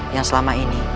yang selama ini